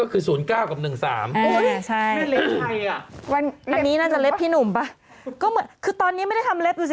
ก็คือ๐๙กับ๑๓